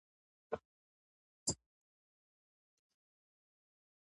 ملالۍ نوم یې مشهور کړی دی.